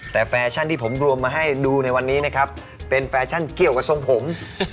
แต่แฟชั่นที่ผมรวมมาให้ดูในวันนี้นะครับเป็นแฟชั่นเกี่ยวกับทรงผม